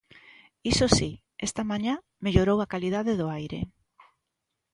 Iso si, esta mañá mellorou a calidade do aire.